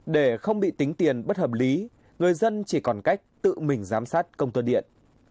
để không bị tính tiền bất hợp lý người dân chỉ còn cách tự mình giám sát công tơ điện